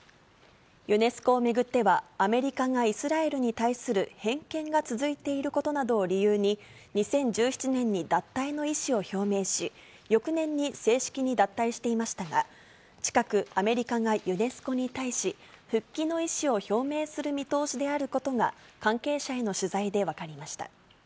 ユネスコを巡っては、アメリカが、イスラエルに対する偏見が続いていることなどを理由に、２０１７年に脱退の意思を表明し、翌年に正式に脱退していましたが、近く、アメリカがユネスコに対し、復帰の意思を表明する見通しであることが、関係者への取材で分かりました。